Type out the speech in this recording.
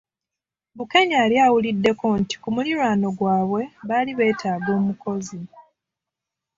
Bukenya yali awuliddeko nti ku muliraano gwabwe baali beetaaga omukozi.